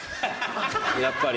やっぱり。